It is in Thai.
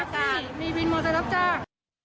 วันนี้คือเรารับข่าว